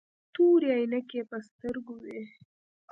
تورې عينکې يې په سترګو وې.